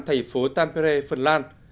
thầy phố tampere phần lan